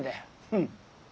うん。